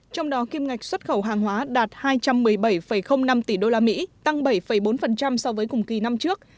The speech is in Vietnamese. trong đó kim ngạch xuất khẩu hàng hóa đạt hai trăm một mươi bảy năm tỷ đô la mỹ tăng bảy bốn so với cùng kỳ năm trước